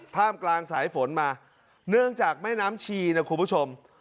ท่ามกลางสายฝนมาเนื่องจากแม่น้ำชีนะคุณผู้ชม